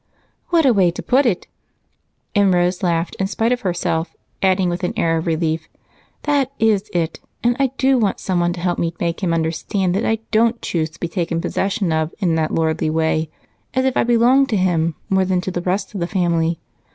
"What a way to put it!" And Rose laughed in spite of herself, adding with an air of relief, "That is it, and I do want someone to help me make him understand that I don't choose to be taken possession of in that lordly way, as if I belonged to him more than to the rest of the family.